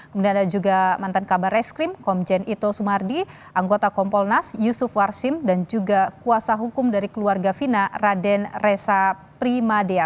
kemudian ada juga mantan kabar reskrim komjen ito sumardi anggota kompolnas yusuf warsim dan juga kuasa hukum dari keluarga fina raden resa primadea